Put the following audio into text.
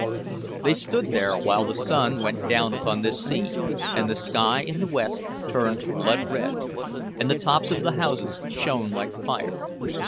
They stood there while the sun went down upon this scene, and the sky in the west turned blood red, and the tops of the houses shone like fire.